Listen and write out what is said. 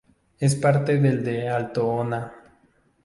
Es parte del de Altoona.